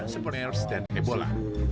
seperti ners dan ebola